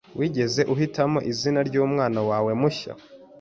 Wigeze uhitamo izina ryumwana wawe mushya?